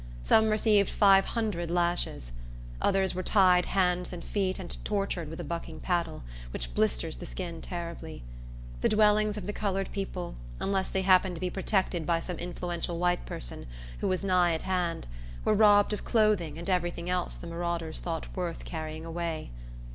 Some received five hundred lashes; others were tied hands and feet, and tortured with a bucking paddle, which blisters the skin terribly. The dwellings of the colored people, unless they happened to be protected by some influential white person, who was nigh at hand, were robbed of clothing and every thing else the marauders thought worth carrying away.